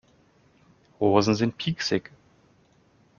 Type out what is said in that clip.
Rosen sind pieksig.